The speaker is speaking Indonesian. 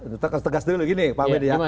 kita tegas dulu gini pak medi